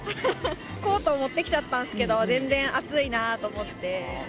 コート持ってきちゃったんですけど、全然暑いなと思って。